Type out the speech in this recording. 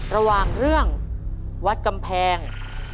ระหว่างเรื่องวัดกำแพง